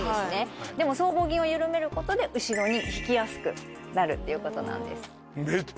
でも僧帽筋を緩めることで後ろに引きやすくなるっていうことなんです。